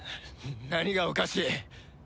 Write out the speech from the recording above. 何がおかしい？